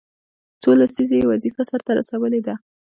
څو لسیزې یې وظیفه سرته رسولې ده.